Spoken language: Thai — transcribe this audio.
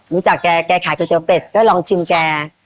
รู้จักแกแกขายก๋วยเตี๊ยวเป็ดก็ลองชิมแก